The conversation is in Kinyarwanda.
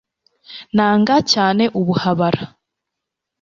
nanga cyane ubuhabara